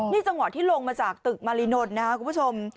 นี่จังหวะที่ลงมาจากตึกมารินนท์นะครับคุณผู้ชม